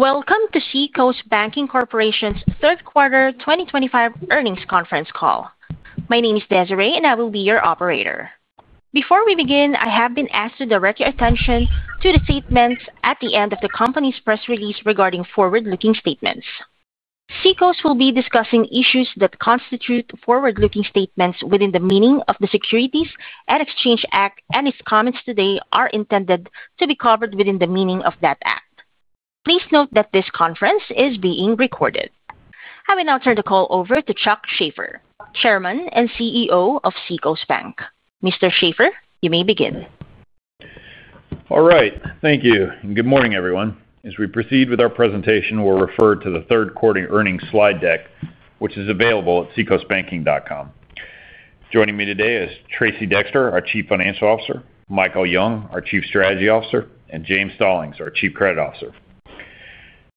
Welcome to Seacoast Banking Corporation's third quarter 2025 earnings conference call. My name is Desiree, and I will be your operator. Before we begin, I have been asked to direct your attention to the statements at the end of the company's press release regarding forward-looking statements. Seacoast will be discussing issues that constitute forward-looking statements within the meaning of the Securities and Exchange Act, and its comments today are intended to be covered within the meaning of that act. Please note that this conference is being recorded. I will now turn the call over to Charles Shaffer, Chairman and CEO of Seacoast Banking Corporation of Florida. Mr. Shaffer, you may begin. All right. Thank you. And good morning, everyone. As we proceed with our presentation, we'll refer to the third quarter earnings slide deck, which is available at seacoastbanking.com. Joining me today is Tracey Dexter, our Chief Financial Officer, Michael Young, our Chief Strategy Officer, and James Stallings, our Chief Credit Officer.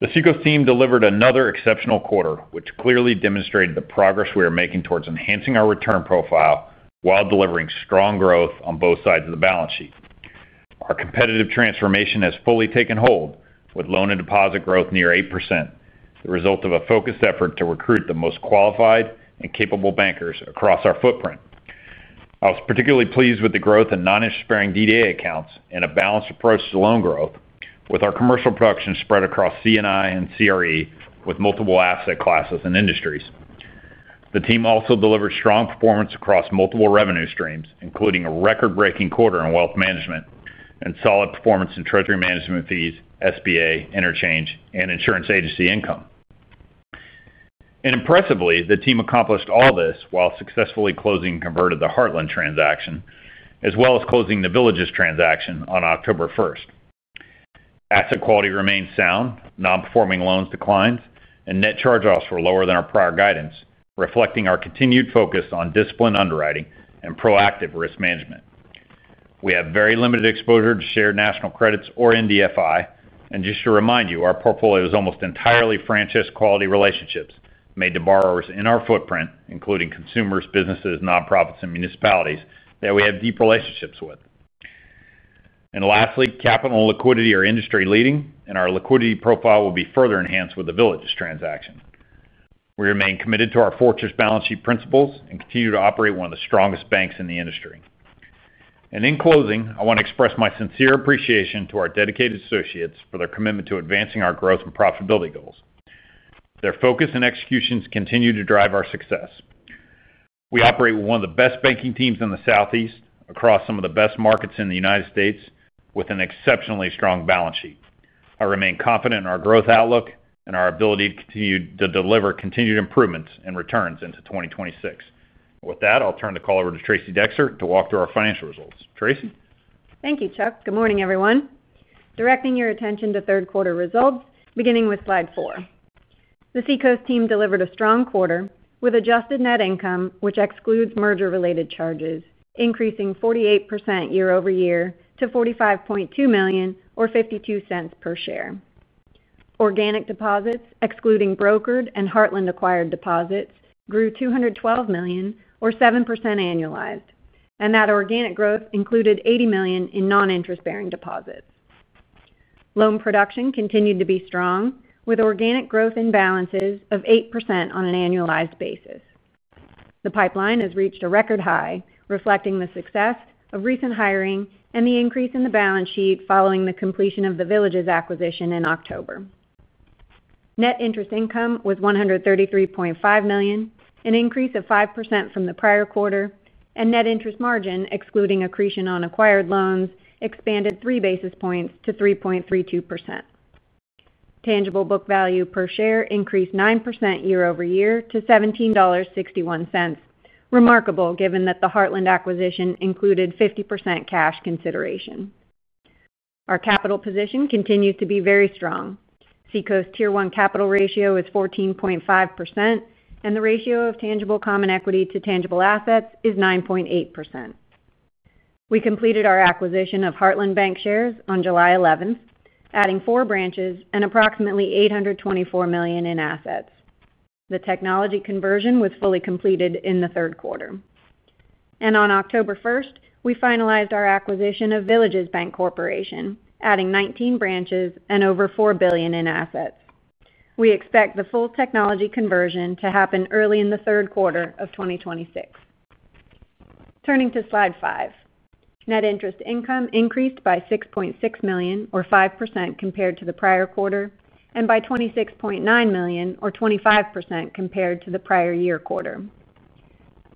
The Seacoast team delivered another exceptional quarter, which clearly demonstrated the progress we are making towards enhancing our return profile while delivering strong growth on both sides of the balance sheet. Our competitive transformation has fully taken hold, with loan and deposit growth near 8%, the result of a focused effort to recruit the most qualified and capable bankers across our footprint. I was particularly pleased with the growth in non-interest-bearing DDA accounts and a balanced approach to loan growth, with our commercial production spread across C&I and CRE with multiple asset classes and industries. The team also delivered strong performance across multiple revenue streams, including a record-breaking quarter in wealth management and solid performance in treasury management fees, SBA, interchange, and insurance agency income. Impressively, the team accomplished all this while successfully closing and converted the Heartland Bank transaction, as well as closing the Villages Bancorporation transaction on October 1. Asset quality remains sound, non-performing loans declined, and net charge-offs were lower than our prior guidance, reflecting our continued focus on disciplined underwriting and proactive risk management. We have very limited exposure to shared national credits or NDFI, and just to remind you, our portfolio is almost entirely franchise quality relationships made to borrowers in our footprint, including consumers, businesses, nonprofits, and municipalities that we have deep relationships with. Lastly, capital and liquidity are industry-leading, and our liquidity profile will be further enhanced with the Villages Bancorporation transaction. We remain committed to our fortress balance sheet principles and continue to operate one of the strongest banks in the industry. In closing, I want to express my sincere appreciation to our dedicated associates for their commitment to advancing our growth and profitability goals. Their focus and executions continue to drive our success. We operate with one of the best banking teams in the Southeast, across some of the best markets in the United States, with an exceptionally strong balance sheet. I remain confident in our growth outlook and our ability to continue to deliver continued improvements and returns into 2026. With that, I'll turn the call over to Tracey Dexter to walk through our financial results. Tracey? Thank you, Charles. Good morning, everyone. Directing your attention to third quarter results, beginning with slide four. The Seacoast team delivered a strong quarter with adjusted net income, which excludes merger-related charges, increasing 48% year-over-year to $45.2 million or $0.52 per share. Organic deposits, excluding brokered and Heartland Bank -acquired deposits, grew $212 million or 7% annualized, and that organic growth included $80 million in non-interest-bearing deposits. Loan production continued to be strong, with organic growth in balances of 8% on an annualized basis. The pipeline has reached a record high, reflecting the success of recent hiring and the increase in the balance sheet following the completion of the Villages Bancorporation acquisition in October. Net interest income was $133.5 million, an increase of 5% from the prior quarter, and net interest margin, excluding accretion on acquired loans, expanded 3 basis points to 3.32%. Tangible book value per share increased 9% year over year to $17.61, remarkable given that the Heartland Bank acquisition included 50% cash consideration. Our capital position continues to be very strong. Seacoast's tier-one capital ratio is 14.5%, and the ratio of tangible common equity to tangible assets is 9.8%. We completed our acquisition of Heartland Bank shares on July 11, adding four branches and approximately $824 million in assets. The technology conversion was fully completed in the third quarter. On October 1, we finalized our acquisition of The Villages Bancorporation, adding 19 branches and over $4 billion in assets. We expect the full technology conversion to happen early in the third quarter of 2026. Turning to slide five, net interest income increased by $6.6 million or 5% compared to the prior quarter, and by $26.9 million or 25% compared to the prior year quarter.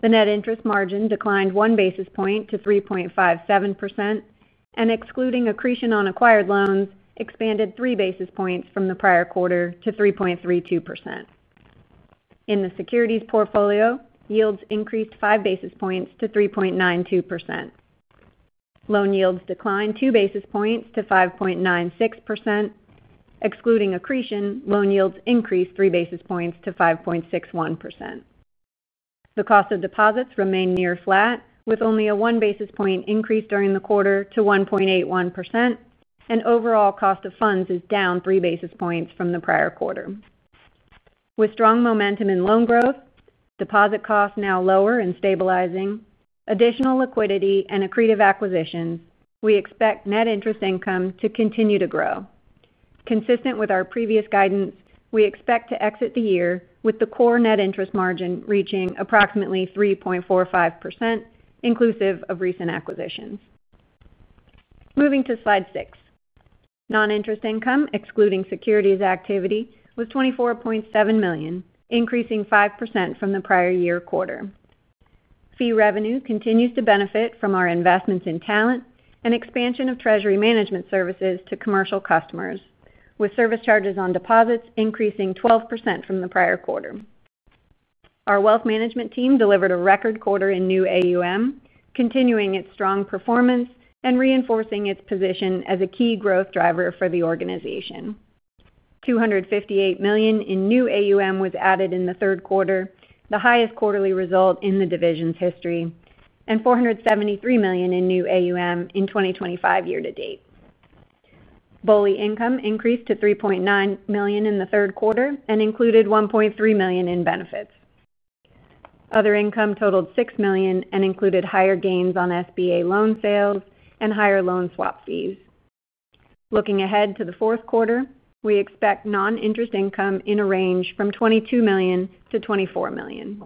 The net interest margin declined 1 basis point to 3.57%, and excluding accretion on acquired loans, expanded 3 basis points from the prior quarter to 3.32%. In the securities portfolio, yields increased 5 basis points to 3.92%. Loan yields declined 2 basis points to 5.96%. Excluding accretion, loan yields increased 3 basis points to 5.61%. The cost of deposits remained near flat, with only a 1 basis point increase during the quarter to 1.81%, and overall cost of funds is down 3 basis points from the prior quarter. With strong momentum in loan growth, deposit costs now lower and stabilizing, additional liquidity, and accretive acquisitions, we expect net interest income to continue to grow. Consistent with our previous guidance, we expect to exit the year with the core net interest margin reaching approximately 3.45%, inclusive of recent acquisitions. Moving to slide six, non-interest income, excluding securities activity, was $24.7 million, increasing 5% from the prior year quarter. Fee revenue continues to benefit from our investments in talent and expansion of treasury management services to commercial customers, with service charges on deposits increasing 12% from the prior quarter. Our wealth management team delivered a record quarter in new AUM, continuing its strong performance and reinforcing its position as a key growth driver for the organization. $258 million in new AUM was added in the third quarter, the highest quarterly result in the division's history, and $473 million in new AUM in 2023 year to date. BOLI income increased to $3.9 million in the third quarter and included $1.3 million in benefits. Other income totaled $6 million and included higher gains on SBA loan sales and higher loan swap fees. Looking ahead to the fourth quarter, we expect non-interest income in a range from $22 million-$24 million.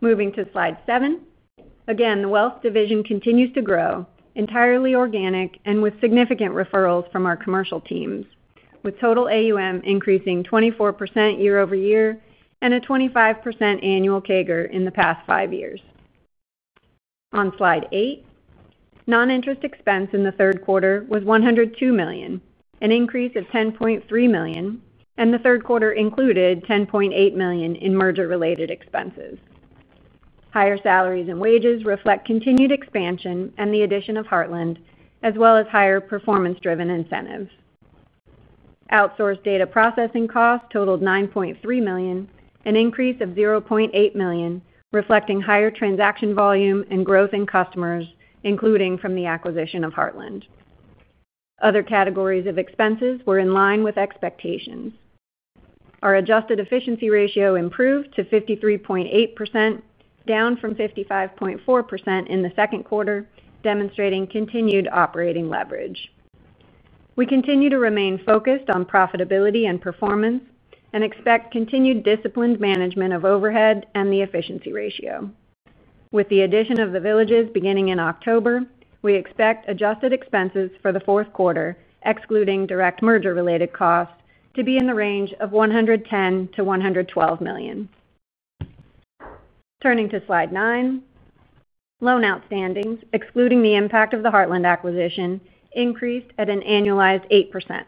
Moving to slide seven, again, the wealth division continues to grow, entirely organic and with significant referrals from our commercial teams, with total AUM increasing 24% year-over-year and a 25% annual CAGR in the past five years. On slide eight, non-interest expense in the third quarter was $102 million, an increase of $10.3 million, and the third quarter included $10.8 million in merger-related expenses. Higher salaries and wages reflect continued expansion and the addition of Heartland Bank, as well as higher performance-driven incentives. Outsourced data processing costs totaled $9.3 million, an increase of $0.8 million, reflecting higher transaction volume and growth in customers, including from the acquisition of Heartland Bank. Other categories of expenses were in line with expectations. Our adjusted efficiency ratio improved to 53.8%, down from 55.4% in the second quarter, demonstrating continued operating leverage. We continue to remain focused on profitability and performance and expect continued disciplined management of overhead and the efficiency ratio. With the addition of The Villages Bancorporation beginning in October, we expect adjusted expenses for the fourth quarter, excluding direct merger-related costs, to be in the range of $110 million-$112 million. Turning to slide nine, loan outstandings, excluding the impact of the Heartland Bank acquisition, increased at an annualized 8%.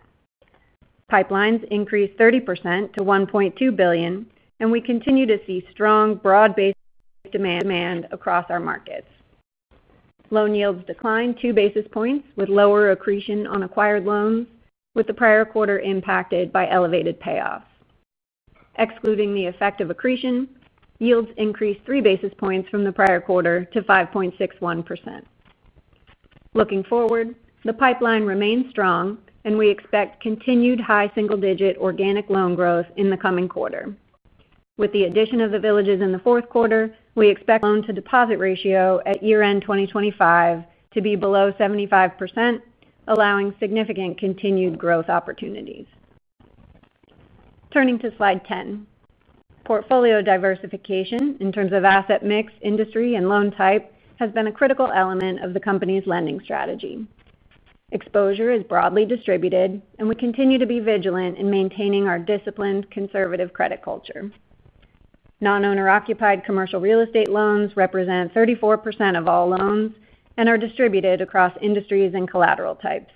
Pipelines increased 30% to $1.2 billion, and we continue to see strong broad-based demand across our markets. Loan yields declined 2 basis points, with lower accretion on acquired loans, with the prior quarter impacted by elevated payoffs. Excluding the effect of accretion, yields increased 3 basis points from the prior quarter to 5.61%. Looking forward, the pipeline remains strong, and we expect continued high single-digit organic loan growth in the coming quarter. With the addition of The Villages Bancorporation in the fourth quarter, we expect loan-to-deposit ratio at year-end 2025 to be below 75%, allowing significant continued growth opportunities. Turning to slide 10, portfolio diversification in terms of asset mix, industry, and loan type has been a critical element of the company's lending strategy. Exposure is broadly distributed, and we continue to be vigilant in maintaining our disciplined, conservative credit culture. Non-owner occupied commercial real estate loans represent 34% of all loans and are distributed across industries and collateral types.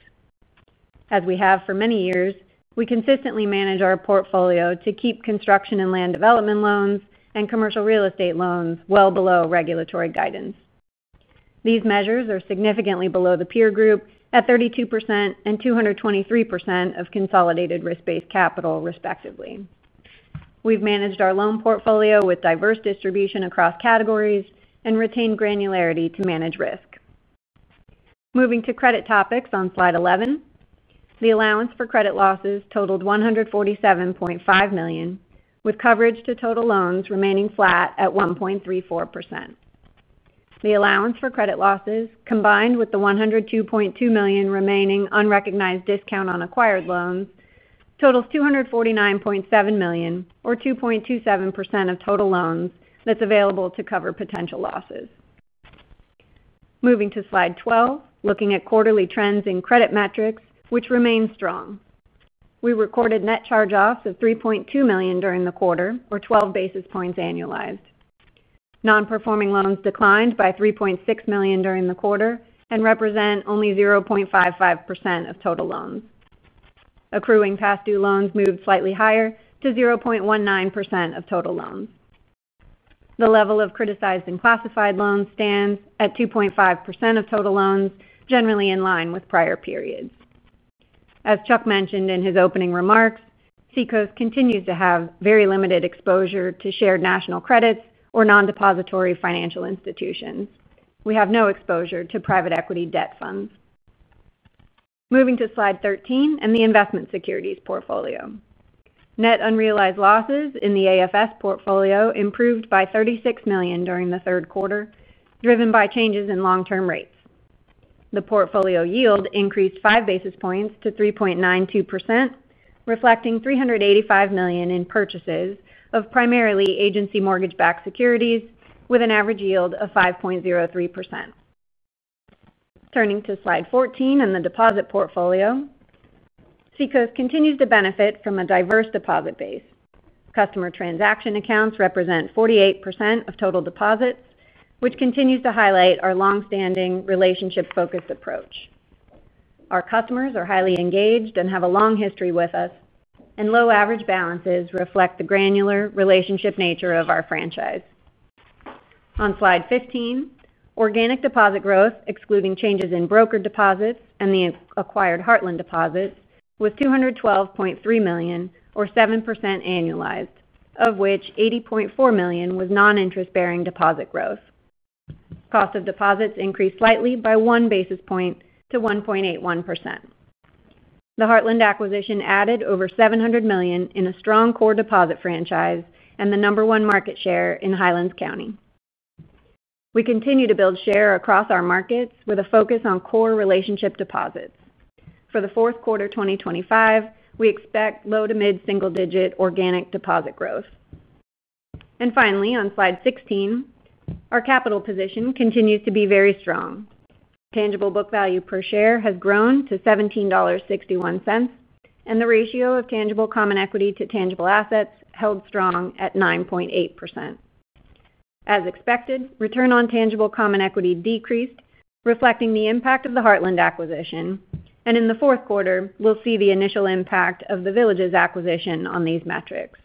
As we have for many years, we consistently manage our portfolio to keep construction and land development loans and commercial real estate loans well below regulatory guidance. These measures are significantly below the peer group at 32% and 223% of consolidated risk-based capital, respectively. We've managed our loan portfolio with diverse distribution across categories and retained granularity to manage risk. Moving to credit topics on slide 11, the allowance for credit losses totaled $147.5 million, with coverage to total loans remaining flat at 1.34%. The allowance for credit losses, combined with the $102.2 million remaining unrecognized discount on acquired loans, totals $249.7 million, or 2.27% of total loans that's available to cover potential losses. Moving to slide 12, looking at quarterly trends in credit metrics, which remain strong. We recorded net charge-offs of $3.2 million during the quarter, or 12 basis points annualized. Non-performing loans declined by $3.6 million during the quarter and represent only 0.55% of total loans. Accruing past due loans moved slightly higher to 0.19% of total loans. The level of criticized and classified loans stands at 2.5% of total loans, generally in line with prior periods. As Charles mentioned in his opening remarks, Seacoast continues to have very limited exposure to shared national credits or non-depository financial institutions. We have no exposure to private equity debt funds. Moving to slide 13 and the investment securities portfolio, net unrealized losses in the AFS portfolio improved by $36 million during the third quarter, driven by changes in long-term rates. The portfolio yield increased 5 basis points to 3.92%, reflecting $385 million in purchases of primarily agency mortgage-backed securities, with an average yield of 5.03%. Turning to slide 14 and the deposit portfolio, Seacoast continues to benefit from a diverse deposit base. Customer transaction accounts represent 48% of total deposits, which continues to highlight our longstanding relationship-focused approach. Our customers are highly engaged and have a long history with us, and low average balances reflect the granular relationship nature of our franchise. On slide 15, organic deposit growth, excluding changes in brokered deposits and the acquired Heartland Bank deposits, was $212.3 million, or 7% annualized, of which $80.4 million was non-interest-bearing deposit growth. Cost of deposits increased slightly by 1 basis point to 1.81%. The Heartland Bank acquisition added over $700 million in a strong core deposit franchise and the number one market share in Highlands County. We continue to build share across our markets with a focus on core relationship deposits. For the fourth quarter 2025, we expect low to mid-single-digit organic deposit growth. Finally, on slide 16, our capital position continues to be very strong. Tangible book value per share has grown to $17.61, and the ratio of tangible common equity to tangible assets held strong at 9.8%. As expected, return on tangible common equity decreased, reflecting the impact of the Heartland Bank acquisition, and in the fourth quarter, we'll see the initial impact of The Villages Bancorporation acquisition on these metrics.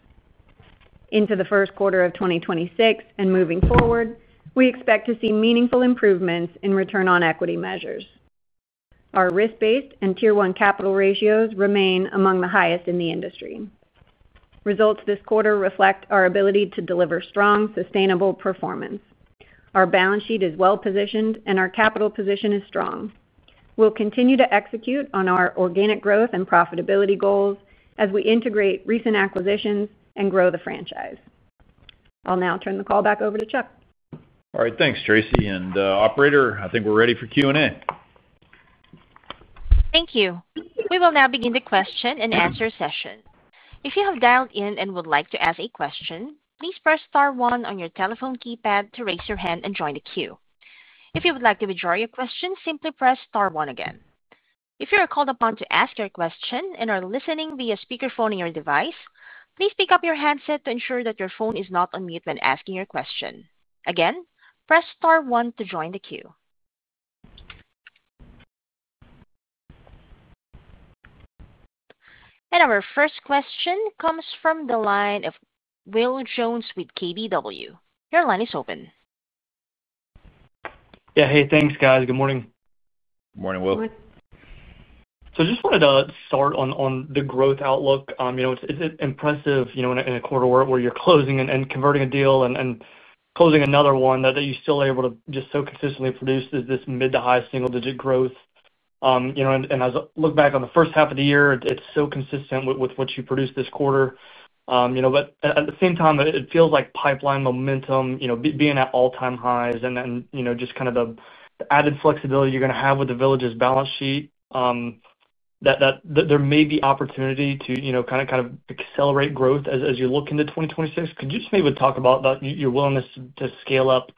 Into the first quarter of 2026 and moving forward, we expect to see meaningful improvements in return on equity measures. Our risk-based and tier-one capital ratios remain among the highest in the industry. Results this quarter reflect our ability to deliver strong, sustainable performance. Our balance sheet is well-positioned, and our capital position is strong. We'll continue to execute on our organic growth and profitability goals as we integrate recent acquisitions and grow the franchise. I'll now turn the call back over to Charles. All right. Thanks, Tracey. Operator, I think we're ready for Q&A. Thank you. We will now begin the question-and-answer session. If you have dialed in and would like to ask a question, please press star one on your telephone keypad to raise your hand and join the queue. If you would like to withdraw your question, simply press star one again. If you are called upon to ask your question and are listening via speakerphone in your device, please pick up your headset to ensure that your phone is not on mute when asking your question. Again, press star one to join the queue. Our first question comes from the line of Will Jones with KBW. Your line is open. Yeah, thanks, guys. Good morning. Morning, Will. I just wanted to start on the growth outlook. It's impressive in a quarter where you're closing and converting a deal and closing another one that you're still able to just so consistently produce this mid to high single-digit growth. As I look back on the first half of the year, it's so consistent with what you produced this quarter. At the same time, it feels like pipeline momentum, being at all-time highs and just kind of the added flexibility you're going to have with The Villages Bancorporation balance sheet, that there may be opportunity to kind of accelerate growth as you look into 2026. Could you just maybe talk about your willingness to scale up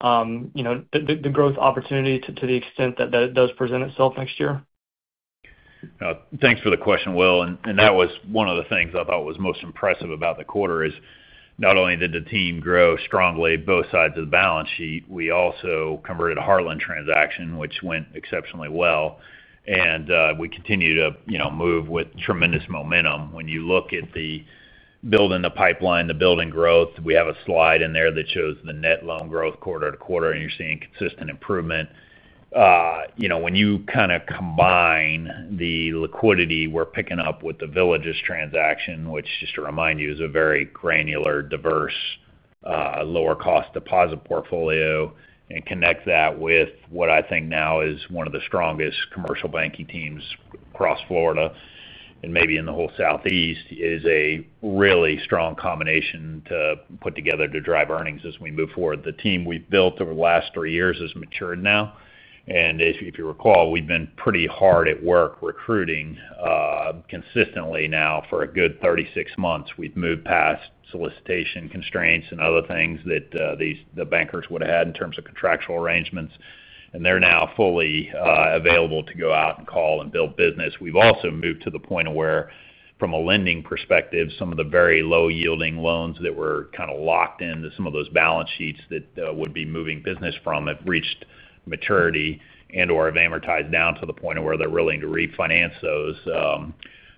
the growth opportunity to the extent that it does present itself next year? Thanks for the question, Will. That was one of the things I thought was most impressive about the quarter. Not only did the team grow strongly on both sides of the balance sheet, we also converted a Heartland transaction, which went exceptionally well. We continue to move with tremendous momentum. When you look at building the pipeline, the building growth, we have a slide in there that shows the net loan growth quarter to quarter, and you're seeing consistent improvement. When you kind of combine the liquidity we're picking up with The Villages Bancorporation transaction, which, just to remind you, is a very granular, diverse, lower-cost deposit portfolio, and connect that with what I think now is one of the strongest commercial banking teams across Florida and maybe in the whole Southeast, it is a really strong combination to put together to drive earnings as we move forward. The team we've built over the last three years has matured now. If you recall, we've been pretty hard at work recruiting consistently now for a good 36 months. We've moved past solicitation constraints and other things that the bankers would have had in terms of contractual arrangements, and they're now fully available to go out and call and build business. We've also moved to the point where, from a lending perspective, some of the very low-yielding loans that were kind of locked into some of those balance sheets that would be moving business from have reached maturity and/or have amortized down to the point where they're willing to refinance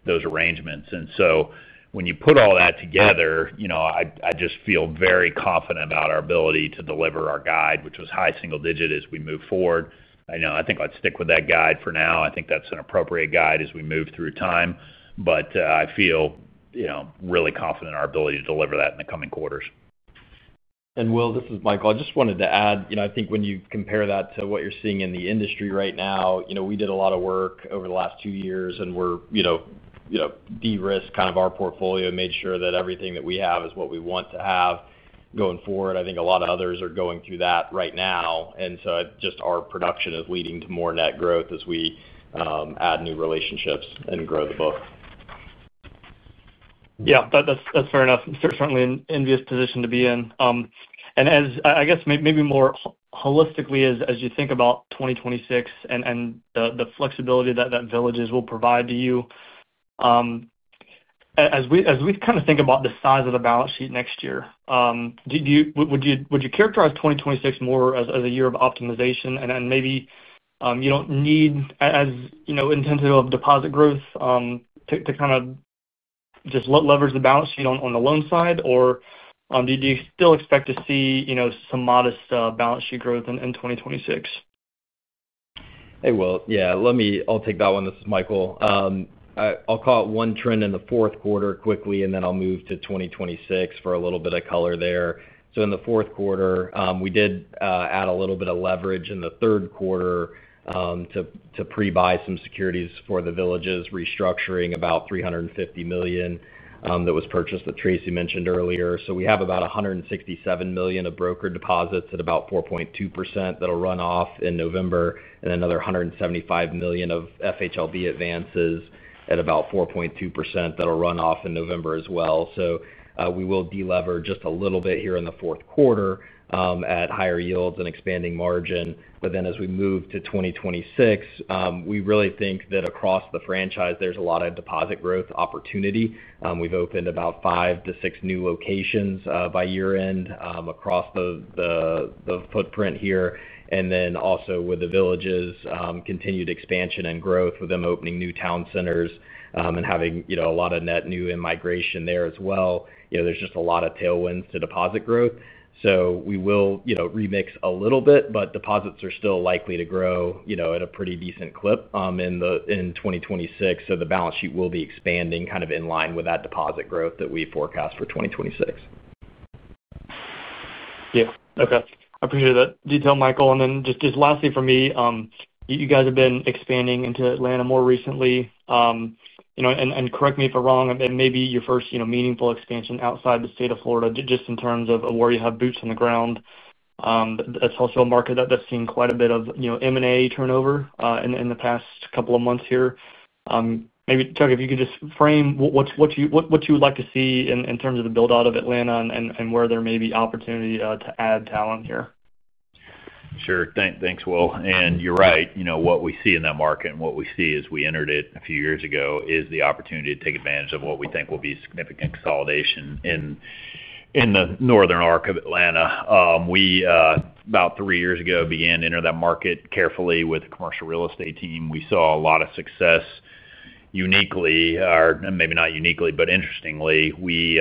those arrangements. When you put all that together, I just feel very confident about our ability to deliver our guide, which was high single digit as we move forward. I think I'd stick with that guide for now. I think that's an appropriate guide as we move through time. I feel really confident in our ability to deliver that in the coming quarters. This is Michael. I just wanted to add, you know, I think when you compare that to what you're seeing in the industry right now, we did a lot of work over the last two years, and we de-risked kind of our portfolio and made sure that everything that we have is what we want to have going forward. I think a lot of others are going through that right now. Our production is leading to more net growth as we add new relationships and grow the book. Yeah. That's fair enough. I'm certainly in an envious position to be in. As I guess maybe more holistically, as you think about 2026 and the flexibility that The Villages Bancorporation will provide to you, as we kind of think about the size of the balance sheet next year, would you characterize 2026 more as a year of optimization? Maybe you don't need as intensive of deposit growth to kind of just leverage the balance sheet on the loan side, or do you still expect to see some modest balance sheet growth in 2026? Hey, Will. Yeah. Let me, I'll take that one. This is Michael. I'll call it one trend in the fourth quarter quickly, and then I'll move to 2026 for a little bit of color there. In the fourth quarter, we did add a little bit of leverage in the third quarter to pre-buy some securities for The Villages Bancorporation, restructuring about $350 million that Tracey mentioned earlier. We have about $167 million of brokered deposits at about 4.2% that'll run off in November, and another $175 million of FHLB advances at about 4.2% that'll run off in November as well. We will de-lever just a little bit here in the fourth quarter at higher yields and expanding margin. As we move to 2026, we really think that across the franchise, there's a lot of deposit growth opportunity. We've opened about five to six new locations by year-end across the footprint here. Also with The Villages Bancorporation, continued expansion and growth with them opening new town centers and having a lot of net new immigration there as well. There's just a lot of tailwinds to deposit growth. We will remix a little bit, but deposits are still likely to grow at a pretty decent clip in 2026. The balance sheet will be expanding kind of in line with that deposit growth that we forecast for 2026. Yeah. Okay. I appreciate that detail, Michael. Just lastly for me, you guys have been expanding into Atlanta more recently. Correct me if I'm wrong, maybe your first meaningful expansion outside the state of Florida, just in terms of where you have boots on the ground, a telltale market that's seen quite a bit of M&A turnover in the past couple of months here. Maybe, Charles, if you could just frame what you would like to see in terms of the build-out of Atlanta and where there may be opportunity to add talent here. Sure. Thanks, Will. You're right. What we see in that market and what we see as we entered it a few years ago is the opportunity to take advantage of what we think will be significant consolidation in the northern arc of Atlanta. About three years ago, we began to enter that market carefully with a commercial real estate team. We saw a lot of success uniquely, or maybe not uniquely, but interestingly, we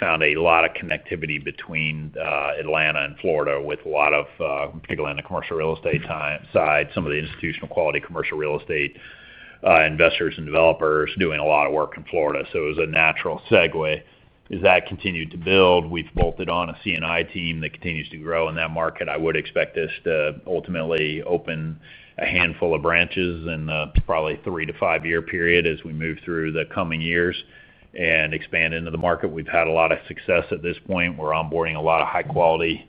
found a lot of connectivity between Atlanta and Florida with a lot of, particularly on the commercial real estate side, some of the institutional quality commercial real estate investors and developers doing a lot of work in Florida. It was a natural segue. As that continued to build, we've bolted on a C&I team that continues to grow in that market. I would expect us to ultimately open a handful of branches in probably a three to five-year period as we move through the coming years and expand into the market. We've had a lot of success at this point. We're onboarding a lot of high-quality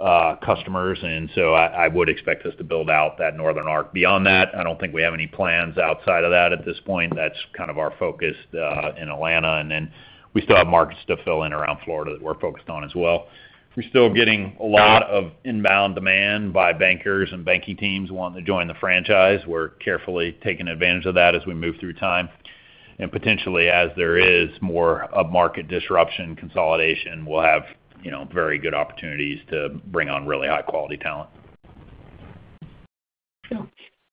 customers. I would expect us to build out that northern arc. Beyond that, I don't think we have any plans outside of that at this point. That's kind of our focus in Atlanta. We still have markets to fill in around Florida that we're focused on as well. We're still getting a lot of inbound demand by bankers and banking teams wanting to join the franchise. We're carefully taking advantage of that as we move through time. Potentially, as there is more market disruption consolidation, we'll have very good opportunities to bring on really high-quality talent.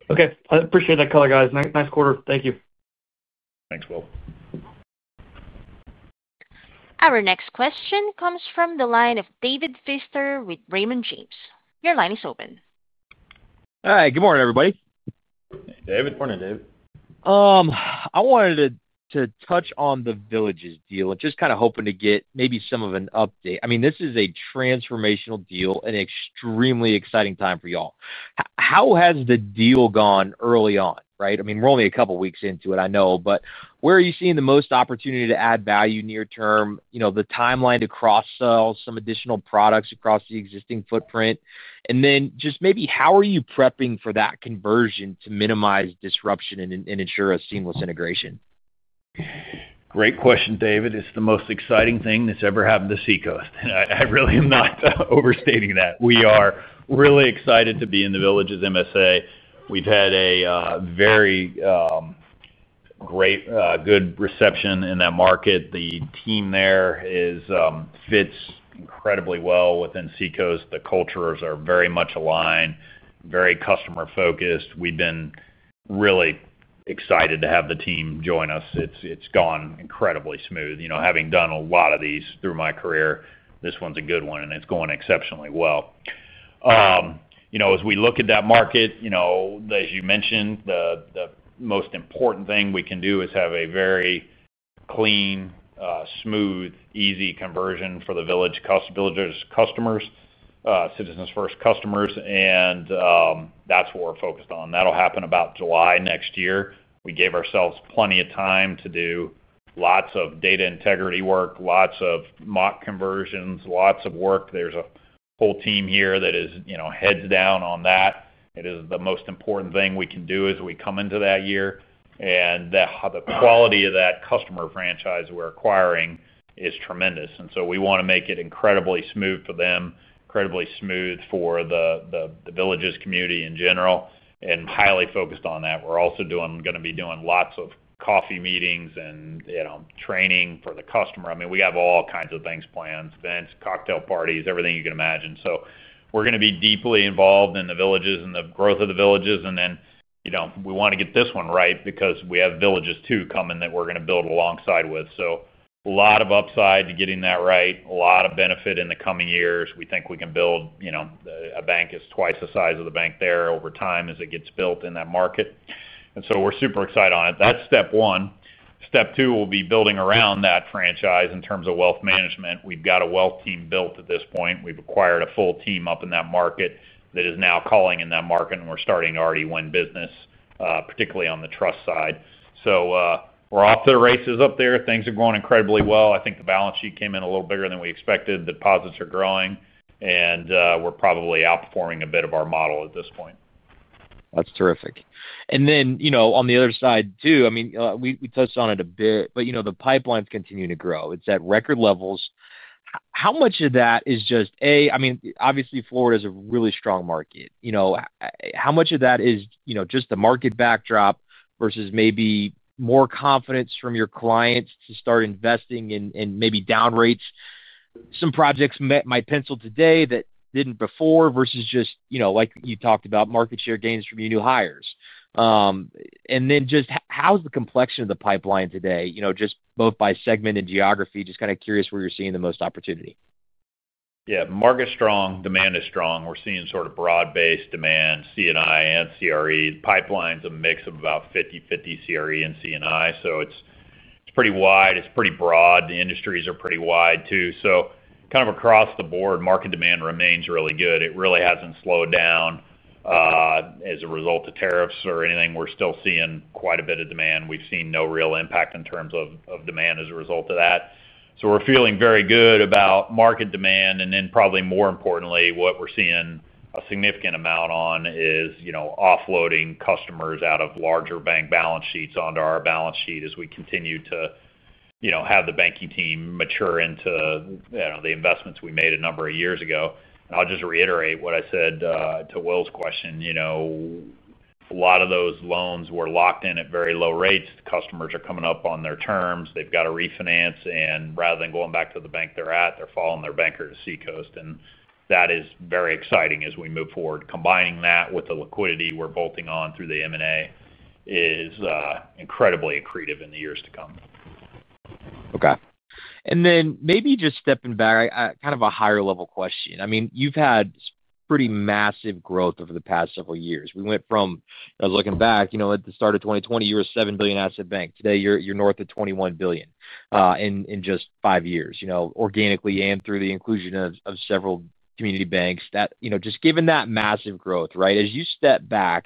Okay. I appreciate that color, guys. Nice quarter. Thank you. Thanks, Will. Our next question comes from the line of David Feaster with Raymond James. Your line is open. All right. Good morning, everybody. Hey, David. Morning, David. I wanted to touch on The Villages Bancorporation deal and just kind of hoping to get maybe some of an update. I mean, this is a transformational deal and an extremely exciting time for y'all. How has the deal gone early on, right? I mean, we're only a couple of weeks into it, I know. Where are you seeing the most opportunity to add value near term? You know, the timeline to cross-sell some additional products across the existing footprint. How are you prepping for that conversion to minimize disruption and ensure a seamless integration? Great question, David. It's the most exciting thing that's ever happened to Seacoast. I really am not overstating that. We are really excited to be in the Villages Bancorporation MSA. We've had a very good reception in that market. The team there fits incredibly well within Seacoast. The cultures are very much aligned, very customer-focused. We've been really excited to have the team join us. It's gone incredibly smooth. Having done a lot of these through my career, this one's a good one, and it's going exceptionally well. As we look at that market, as you mentioned, the most important thing we can do is have a very clean, smooth, easy conversion for the Villages Bancorporation customers, Citizens First customers. That's what we're focused on. That'll happen about July next year. We gave ourselves plenty of time to do lots of data integrity work, lots of mock conversions, lots of work. There's a whole team here that is heads down on that. It is the most important thing we can do as we come into that year. The quality of that customer franchise we're acquiring is tremendous. We want to make it incredibly smooth for them, incredibly smooth for the Villages Bancorporation community in general, and highly focused on that. We're also going to be doing lots of coffee meetings and training for the customer. I mean, we have all kinds of things planned, events, cocktail parties, everything you can imagine. We're going to be deeply involved in the Villages Bancorporation and the growth of the Villages Bancorporation. We want to get this one right because we have Villages Bancorporation 2 coming that we're going to build alongside with. A lot of upside to getting that right, a lot of benefit in the coming years. We think we can build a bank that's twice the size of the bank there over time as it gets built in that market. We're super excited on it. That's step one. Step two will be building around that franchise in terms of wealth management. We've got a wealth team built at this point. We've acquired a full team up in that market that is now calling in that market, and we're starting to already win business, particularly on the trust side. We're off to the races up there. Things are going incredibly well. I think the balance sheet came in a little bigger than we expected. Deposits are growing, and we're probably outperforming a bit of our model at this point. That's terrific. On the other side, too, we touched on it a bit, but the pipelines continue to grow. It's at record levels. How much of that is just, A, obviously, Florida is a really strong market. How much of that is just the market backdrop versus maybe more confidence from your clients to start investing in maybe down rates? Some projects might pencil today that didn't before versus just, like you talked about, market share gains from your new hires. How's the complexity of the pipeline today, both by segment and geography? Kind of curious where you're seeing the most opportunity. Yeah. Market's strong. Demand is strong. We're seeing sort of broad-based demand, C&I and CRE. The pipeline's a mix of about 50/50 CRE and C&I. It's pretty wide. It's pretty broad. The industries are pretty wide, too. Kind of across the board, market demand remains really good. It really hasn't slowed down as a result of tariffs or anything. We're still seeing quite a bit of demand. We've seen no real impact in terms of demand as a result of that. We're feeling very good about market demand. Probably more importantly, what we're seeing a significant amount on is offloading customers out of larger bank balance sheets onto our balance sheet as we continue to have the banking team mature into the investments we made a number of years ago. I'll just reiterate what I said to Will's question. A lot of those loans were locked in at very low rates. The customers are coming up on their terms. They've got to refinance. Rather than going back to the bank they're at, they're following their banker to Seacoast. That is very exciting as we move forward. Combining that with the liquidity we're bolting on through the M&A is incredibly accretive in the years to come. Okay. Maybe just stepping back, kind of a higher-level question. You've had pretty massive growth over the past several years. We went from, looking back, at the start of 2020, you were a $7 billion asset bank. Today, you're north of $21 billion in just five years, organically and through the inclusion of several community banks. Given that massive growth, as you step back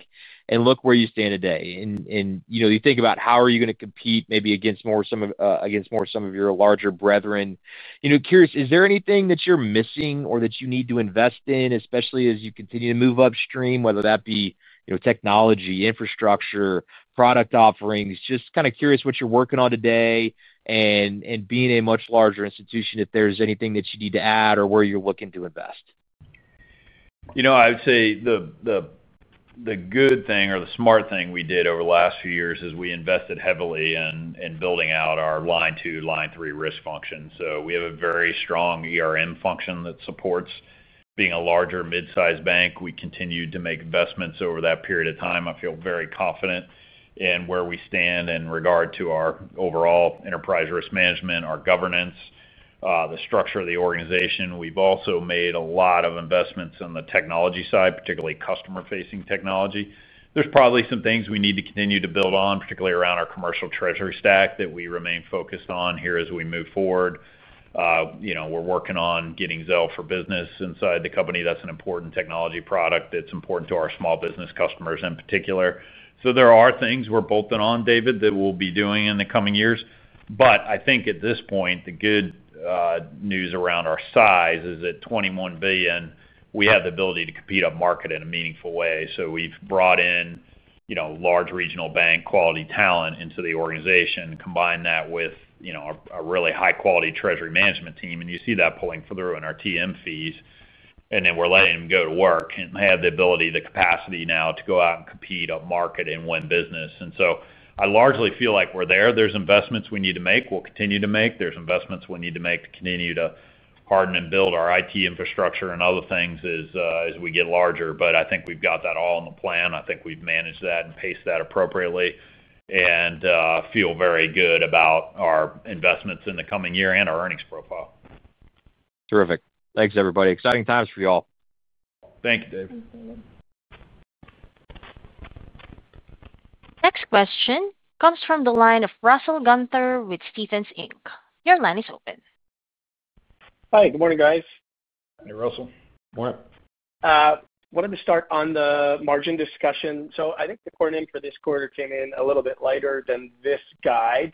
and look where you stand today and you think about how you are going to compete maybe against more of some of your larger brethren, is there anything that you're missing or that you need to invest in, especially as you continue to move upstream, whether that be technology, infrastructure, product offerings? Just kind of curious what you're working on today and being a much larger institution, if there's anything that you need to add or where you're looking to invest. I would say the good thing or the smart thing we did over the last few years is we invested heavily in building out our line two, line three risk function. We have a very strong function that supports being a larger midsize bank. We continue to make investments over that period of time. I feel very confident in where we stand in regard to our overall enterprise risk management, our governance, the structure of the organization. We've also made a lot of investments on the technology side, particularly customer-facing technology. There are probably some things we need to continue to build on, particularly around our commercial treasury stack that we remain focused on here as we move forward. We're working on getting Zelle for Business inside the company. That's an important technology product that's important to our small business customers in particular. There are things we're bolting on, David, that we'll be doing in the coming years. I think at this point, the good news around our size is at $21 billion, we have the ability to compete up market in a meaningful way. We've brought in large regional bank quality talent into the organization, combined that with a really high-quality treasury management team. You see that pulling through in our TM fees. We're letting them go to work and have the ability, the capacity now to go out and compete up market and win business. I largely feel like we're there. There are investments we need to make. We'll continue to make. There are investments we need to make to continue to harden and build our IT infrastructure and other things as we get larger. I think we've got that all in the plan. I think we've managed that and paced that appropriately and feel very good about our investments in the coming year and our earnings profile. Terrific. Thanks, everybody. Exciting times for you all. Thank you, David. Next question comes from the line of Russell Gunther with Stephens. Your line is open. Hi. Good morning, guys. Hi, Russell. Morning. Wanted to start on the margin discussion. I think the core name for this quarter came in a little bit lighter than this guide.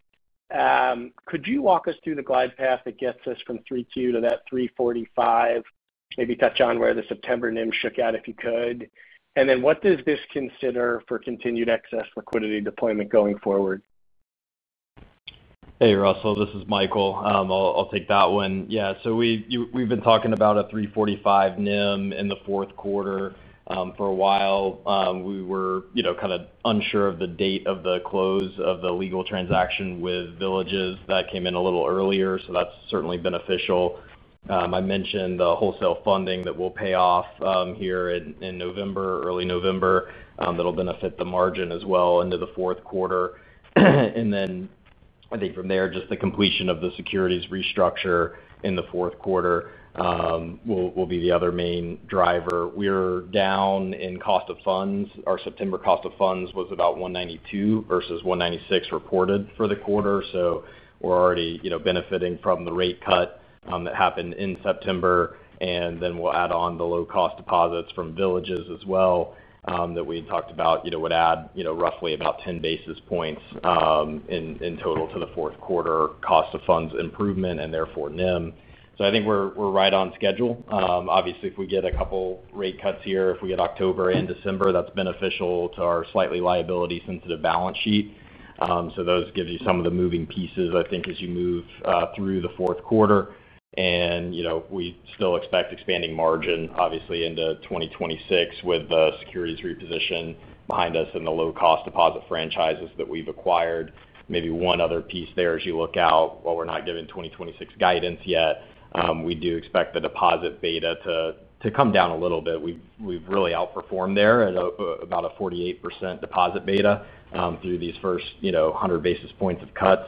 Could you walk us through the glide path that gets us from 3Q to that 3.45%? Maybe touch on where the September NIM shook out if you could. What does this consider for continued excess liquidity deployment going forward? Hey, Russell. This is Michael. I'll take that one. Yeah. We've been talking about a 3.45% NIM in the fourth quarter for a while. We were kind of unsure of the date of the close of the legal transaction with The Villages Bancorporation. That came in a little earlier, so that's certainly beneficial. I mentioned the wholesale funding that we'll pay off here in November, early November. That'll benefit the margin as well into the fourth quarter. I think from there, just the completion of the securities restructure in the fourth quarter will be the other main driver. We're down in cost of funds. Our September cost of funds was about 1.92% versus 1.96% reported for the quarter. We're already benefiting from the rate cut that happened in September. We'll add on the low-cost deposits from The Villages Bancorporation as well, that we had talked about, would add roughly about 10 basis points in total to the fourth quarter cost of funds improvement and therefore NIM. I think we're right on schedule. Obviously, if we get a couple rate cuts here, if we get October and December, that's beneficial to our slightly liability-sensitive balance sheet. Those give you some of the moving pieces, I think, as you move through the fourth quarter. We still expect expanding margin into 2026 with the securities reposition behind us and the low-cost deposit franchises that we've acquired. Maybe one other piece there as you look out, while we're not giving 2026 guidance yet, we do expect the deposit beta to come down a little bit. We've really outperformed there at about a 48% deposit beta through these first 100 basis points of cuts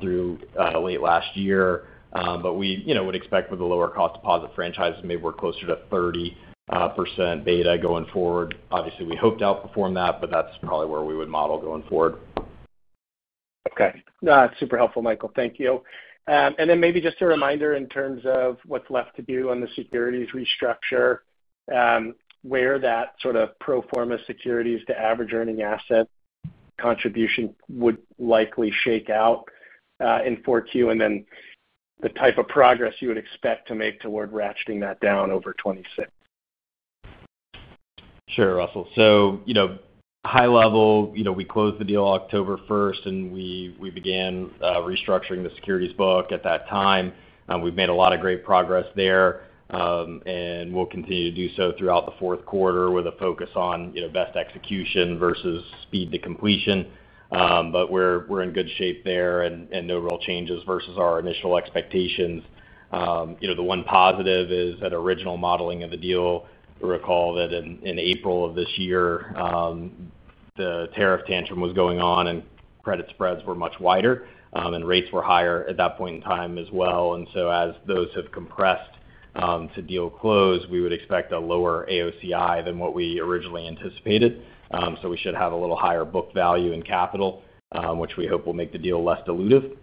through late last year. We would expect with the lower-cost deposit franchises, maybe we're closer to 30% beta going forward. Obviously, we hoped to outperform that, but that's probably where we would model going forward. Okay. No, that's super helpful, Michael. Thank you. Maybe just a reminder in terms of what's left to do on the securities restructure, where that sort of pro forma securities to average earning asset contribution would likely shake out in 4Q, and then the type of progress you would expect to make toward ratcheting that down over 2026. Sure, Russell. High level, we closed the deal October 1, and we began restructuring the securities book at that time. We've made a lot of great progress there, and we'll continue to do so throughout the fourth quarter with a focus on best execution versus speed to completion. We're in good shape there and no real changes versus our initial expectations. The one positive is that original modeling of the deal, we recall that in April of this year, the tariff tantrum was going on and credit spreads were much wider, and rates were higher at that point in time as well. As those have compressed to deal close, we would expect a lower AOCI than what we originally anticipated. We should have a little higher book value in capital, which we hope will make the deal less dilutive.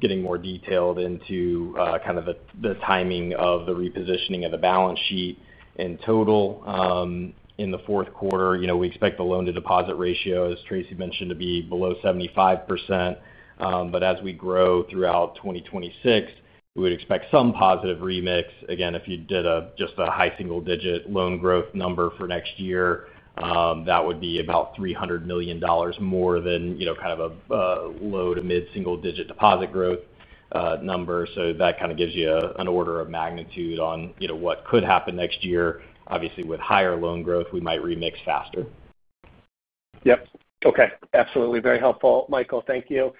Getting more detailed into the timing of the repositioning of the balance sheet in total, in the fourth quarter, we expect the loan-to-deposit ratio, as Tracey mentioned, to be below 75%. As we grow throughout 2026, we would expect some positive remix. Again, if you did just a high single-digit loan growth number for next year, that would be about $300 million more than a low to mid-single-digit deposit growth number. That kind of gives you an order of magnitude on what could happen next year. Obviously, with higher loan growth, we might remix faster. Okay. Absolutely. Very helpful, Michael. Thank you.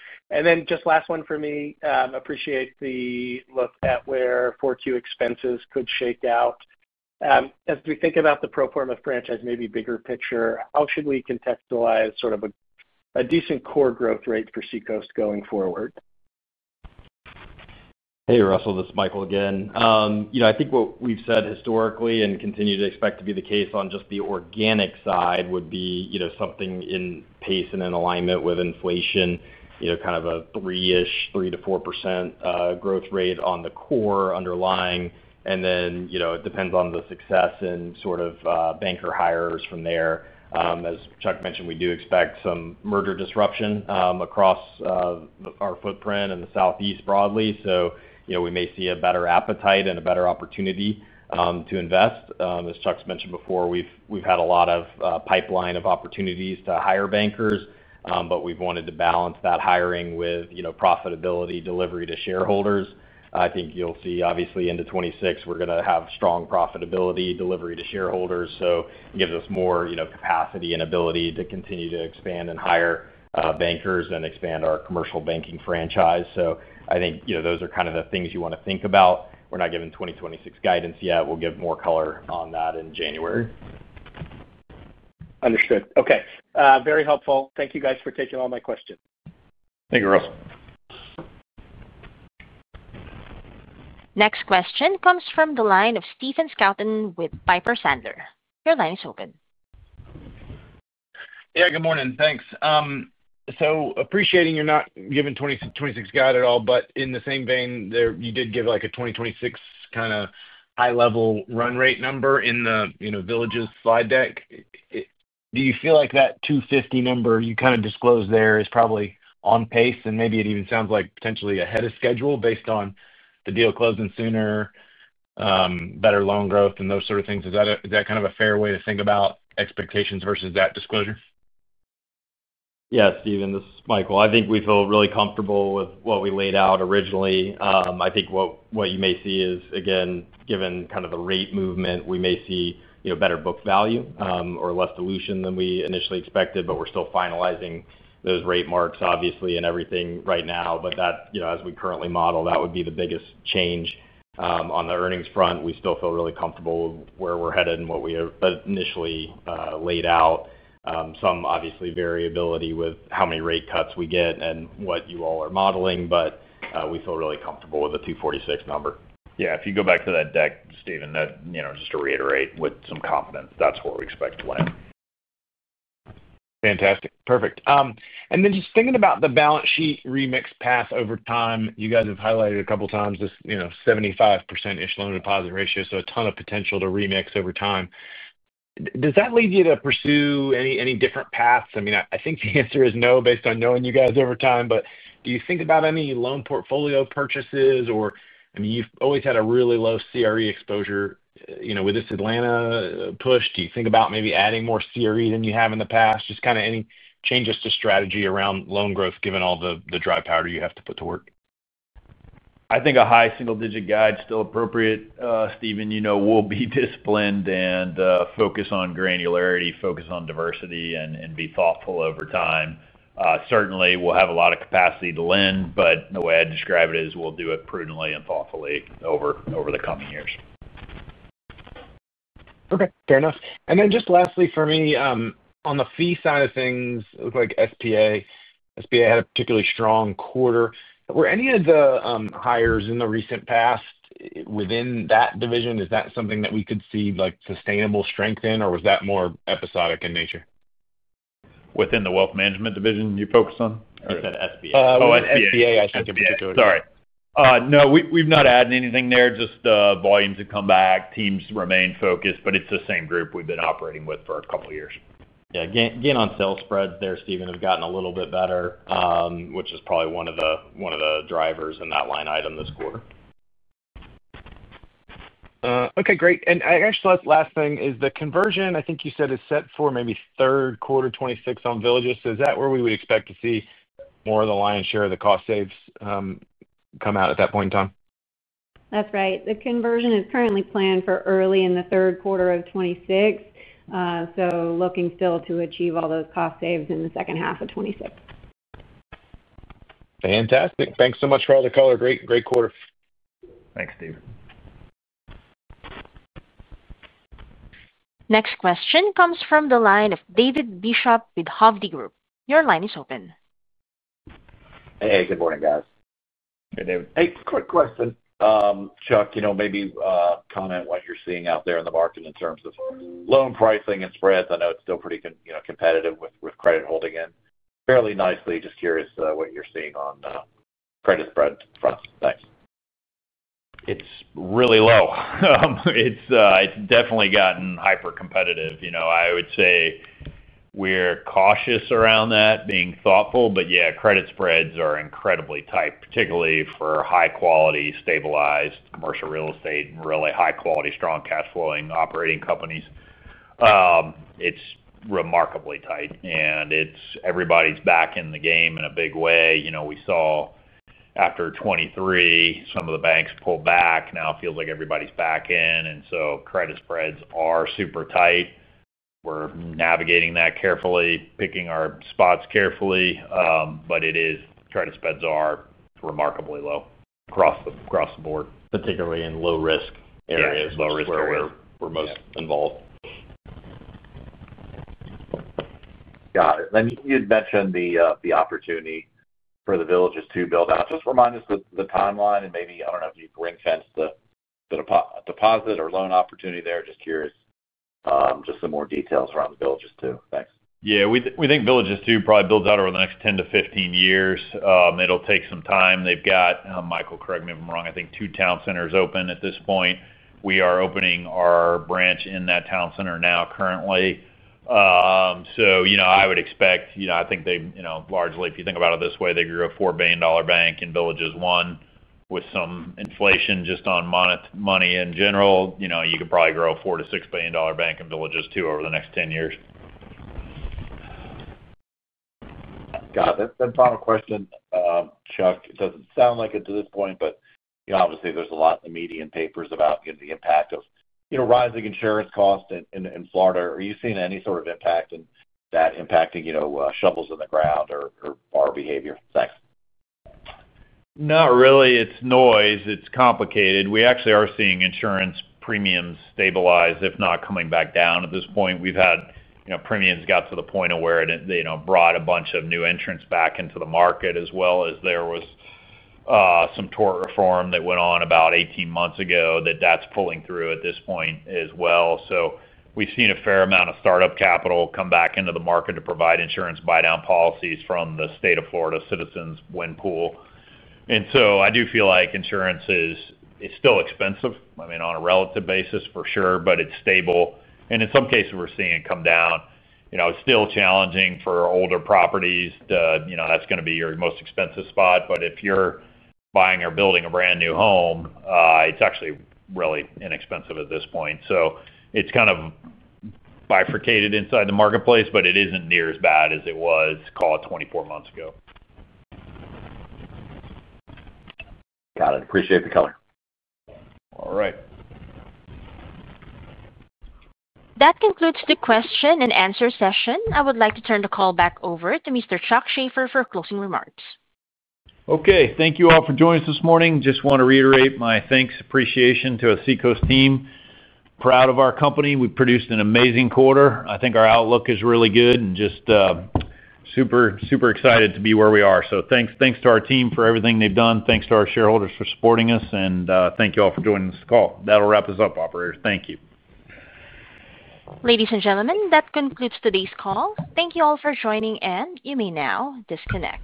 Just last one for me. I appreciate the look at where 4Q expenses could shake out. As we think about the pro forma franchise, maybe bigger picture, how should we contextualize sort of a decent core growth rate for Seacoast going forward? Hey, Russell. This is Michael again. I think what we've said historically and continue to expect to be the case on just the organic side would be something in pace and in alignment with inflation, kind of a 3%, 3%-4% growth rate on the core underlying. It depends on the success and sort of banker hires from there. As Charles mentioned, we do expect some merger disruption across our footprint in the Southeast broadly. We may see a better appetite and a better opportunity to invest. As Charles's mentioned before, we've had a lot of pipeline of opportunities to hire bankers, but we've wanted to balance that hiring with profitability delivery to shareholders. I think you'll see, obviously, into 2026, we're going to have strong profitability delivery to shareholders. It gives us more capacity and ability to continue to expand and hire bankers and expand our commercial banking franchise. I think those are kind of the things you want to think about. We're not giving 2026 guidance yet. We'll give more color on that in January. Understood. Okay. Very helpful. Thank you, guys, for taking all my questions. Thank you, Russell. Next question comes from the line of Stephen Scouten with Piper Sandler. Your line is open. Good morning. Thanks. Appreciating you're not giving 2026 guide at all, but in the same vein, you did give like a 2026 kind of high-level run rate number in the Villages Bancorporation slide deck. Do you feel like that $250 million number you kind of disclosed there is probably on pace and maybe it even sounds like potentially ahead of schedule based on the deal closing sooner, better loan growth, and those sort of things? Is that kind of a fair way to think about expectations versus that disclosure? Yeah, Stephen. This is Michael. I think we feel really comfortable with what we laid out originally. I think what you may see is, again, given kind of the rate movement, we may see better book value, or less dilution than we initially expected, but we're still finalizing those rate marks, obviously, and everything right now. As we currently model, that would be the biggest change on the earnings front. We still feel really comfortable with where we're headed and what we have initially laid out. Some, obviously, variability with how many rate cuts we get and what you all are modeling, but we feel really comfortable with the $2.46 number. Yeah. If you go back to that deck, Stephen, just to reiterate with some confidence, that's where we expect to land. Fantastic. Perfect. And then just thinking about the balance sheet remix path over time, you guys have highlighted a couple of times this, you know, 75%‑ish loan‑to‑deposit ratio. A ton of potential to remix over time. Does that lead you to pursue any different paths? I mean, I think the answer is no based on knowing you guys over time, but do you think about any loan portfolio purchases? I mean, you've always had a really low CRE exposure, you know, with this Atlanta push. Do you think about maybe adding more CRE than you have in the past? Just kind of any changes to strategy around loan growth, given all the dry powder you have to put to work? I think a high single-digit guide is still appropriate. Stephen, you know, we'll be disciplined and focus on granularity, focus on diversity, and be thoughtful over time. Certainly, we'll have a lot of capacity to lend, but the way I describe it is we'll do it prudently and thoughtfully over the coming years. Okay. Fair enough. Lastly for me, on the fee side of things, it looked like SBA had a particularly strong quarter. Were any of the hires in the recent past within that division? Is that something that we could see like sustainable strength in, or was that more episodic in nature? Within the wealth management division, you focus on? I said SBA. Oh, SBA. Oh, SBA, I think, in particular. No, we've not added anything there. Just the volumes have come back. Teams remain focused, but it's the same group we've been operating with for a couple of years. Yeah. Gain on sales spreads there, Stephen, have gotten a little bit better, which is probably one of the drivers in that line item this quarter. Great. I actually thought the last thing is the conversion, I think you said, is set for maybe third quarter 2026 on The Villages Bancorporation. Is that where we would expect to see more of the lion's share of the cost saves come out at that point in time? That's right. The conversion is currently planned for early in the third quarter of 2026, so looking still to achieve all those cost saves in the second half of 2026. Fantastic. Thanks so much for all the color. Great, great quarter. Thanks, Steve. Next question comes from the line of David Bishop with Hovde Group. Your line is open. Hey, good morning, guys. Hey, David. Hey, quick question. Charles, you know, maybe comment on what you're seeing out there in the market in terms of loan pricing and spreads. I know it's still pretty, you know, competitive with credit holding in fairly nicely. Just curious what you're seeing on credit spread fronts. Thanks. It's really low. It's definitely gotten hyper-competitive. I would say we're cautious around that, being thoughtful, but yeah, credit spreads are incredibly tight, particularly for high-quality, stabilized commercial real estate and really high-quality, strong cash-flowing operating companies. It's remarkably tight. Everybody's back in the game in a big way. We saw after 2023, some of the banks pull back. Now it feels like everybody's back in. Credit spreads are super tight. We're navigating that carefully, picking our spots carefully, but credit spreads are remarkably low across the board, particularly in low-risk areas, low risk where we're most involved. Got it. You had mentioned the opportunity for The Villages Bancorporation 2 build out. Just remind us the timeline and maybe, I don't know if you've ring-fenced the deposit or loan opportunity there. Just curious, just some more details around The Villages Bancorporation 2. Thanks. Yeah. We think Villages Bancorporation 2 probably builds out over the next 10-15 years. It'll take some time. They've got, Michael, correct me if I'm wrong, I think two town centers open at this point. We are opening our branch in that town center now. I would expect, I think they, largely, if you think about it this way, they grew a $4 billion bank in Villages Bancorporation 1 with some inflation just on money in general. You could probably grow a $4 billion-$6 billion bank in Villages Bancorporation 2 over the next 10 years. Got it. Final question, Charles. It doesn't sound like it to this point, but obviously, there's a lot in the media and papers about the impact of rising insurance costs in Florida. Are you seeing any sort of impact in that impacting shovels in the ground or our behavior? Thanks. Not really. It's noise. It's complicated. We actually are seeing insurance premiums stabilize, if not coming back down at this point. We've had premiums get to the point where they brought a bunch of new entrants back into the market, as well as there was some tort reform that went on about 18 months ago that's pulling through at this point as well. We've seen a fair amount of startup capital come back into the market to provide insurance buy-down policies from the state of Florida Citizens' Wind Pool. I do feel like insurance is still expensive, I mean, on a relative basis for sure, but it's stable. In some cases, we're seeing it come down. It's still challenging for older properties; that's going to be your most expensive spot. If you're buying or building a brand new home, it's actually really inexpensive at this point. It's kind of bifurcated inside the marketplace, but it isn't near as bad as it was, call it, 24 months ago. Got it. Appreciate the color. All right. That concludes the question-and-answer session. I would like to turn the call back over to Mr. Charles Shaffer for closing remarks. Thank you all for joining us this morning. I just want to reiterate my thanks and appreciation to the Seacoast team. Proud of our company. We produced an amazing quarter. I think our outlook is really good and I am super, super excited to be where we are. Thanks to our team for everything they've done. Thanks to our shareholders for supporting us. Thank you all for joining this call. That'll wrap us up, operator. Thank you. Ladies and gentlemen, that concludes today's call. Thank you all for joining, and you may now disconnect.